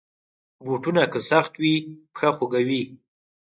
بوټونه که سخت وي، پښه خوږوي.